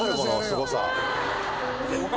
すごさ。